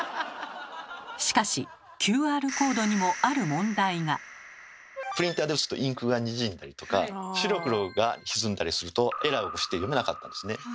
しかしＱＲコードにもプリンターで打つとインクがにじんだりとか白黒が歪んだりするとエラーを起こして読めなかったんですね。